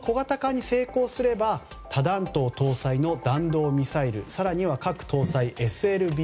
この小型化に成功すれば多弾頭搭載の弾道ミサイル更には核搭載ＳＬＢＭ。